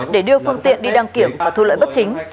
để đưa phương tiện đi đăng kiểm và thu lợi bất chính